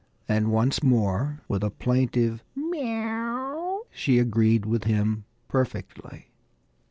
And once more, with a plaintive meaow she agreed with him perfectly.